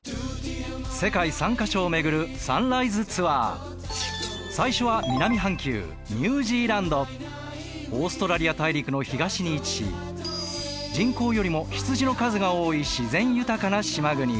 世界３か所を巡るサンライズツアー最初は南半球オーストラリア大陸の東に位置し人口よりも羊の数が多い自然豊かな島国。